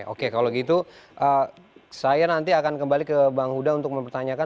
oke kalau gitu saya nanti akan kembali ke bang huda untuk mempertanyakan